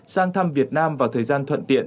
sang thăm việt nam vào thời gian thuận tiện